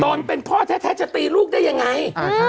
ตอนเป็นพ่อแท้จะตีลูกได้อย่างไร